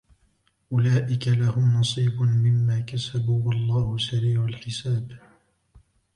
أُولَئِكَ لَهُمْ نَصِيبٌ مِمَّا كَسَبُوا وَاللَّهُ سَرِيعُ الْحِسَابِ